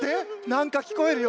なんかきこえるよ。